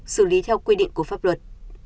xử lý theo quy định của pháp luật